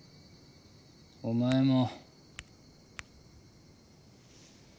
お前も。